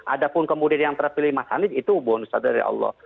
ada pun kemudian yang terpilih mas anies itu bonus dari allah